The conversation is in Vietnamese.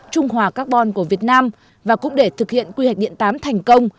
trung hòa carbon của việt nam và cũng để thực hiện quy hệ điện tám thành công